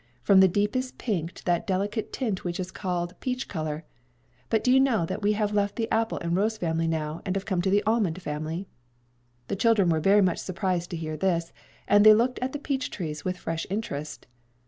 from the deepest pink to that delicate tint which is called peach color. But do you know that we have left the apple and rose family now, and have come to the almond family?" The children were very much surprised to hear this, and they looked at the peach trees with fresh interest.